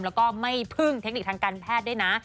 แล้วก็ไม่พึ่งเทคนิคทางการแพทย์ด้วยนะ